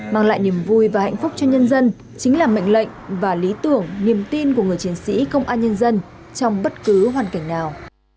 mang lại niềm vui và hạnh phúc cho nhân dân chính là mệnh lệnh và lý tưởng niềm tin của người chiến sĩ công an nhân dân trong bất cứ hoàn cảnh nào